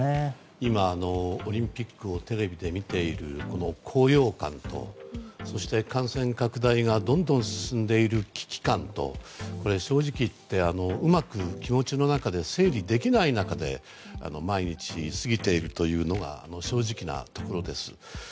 今、オリンピックをテレビで見ている高揚感とそして感染拡大がどんどん進んでいる危機感と正直言って、うまく気持ちの中で整理できない中で毎日過ぎていくというのが正直なところです。